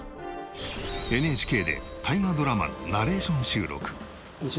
ＮＨＫで大河ドラマのナレーション収録。